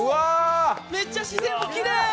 めっちゃ自然もきれい！